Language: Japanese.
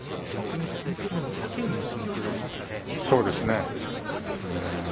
逆に先頭の御嶽海の心境ですね。